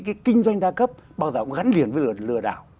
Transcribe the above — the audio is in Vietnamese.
cái kinh doanh đa cấp bao giờ cũng gắn liền với việc lừa đảo